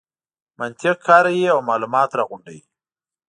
منطق کاروي او مالومات راغونډوي.